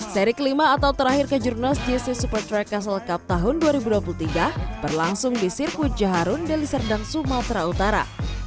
seri kelima atau terakhir kejurnas jc super track castle cup tahun dua ribu dua puluh tiga berlangsung di sirkuit jaharun deliserdang sumatera utara